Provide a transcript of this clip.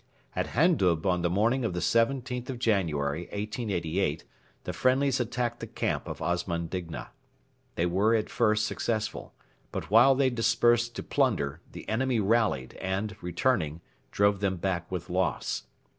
At Handub on the morning of the 17th of January, 1888, the friendlies attacked the camp of Osman Digna. They were at first successful; but while they dispersed to plunder the enemy rallied and, returning, drove them back with loss.